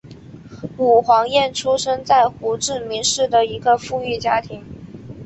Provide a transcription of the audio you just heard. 武黄燕出生在胡志明市一个富裕的家庭。